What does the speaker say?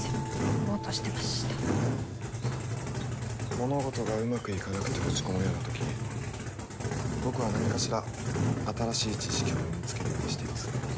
物事がうまくいかなくて落ち込むような時僕は何かしら新しい知識を身につけるようにしています。